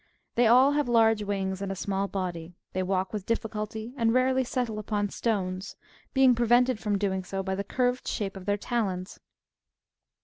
They all have large wings, and a small body ; they walk with difficulty, and rarely settle upon stones, being prevented from doing so by the curved shape of their talons.